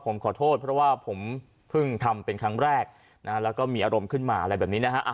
ผมขอโทษเพราะว่าผมเพิ่งทำเป็นครั้งแรกแล้วก็มีอารมณ์ขึ้นมาอะไรแบบนี้นะฮะ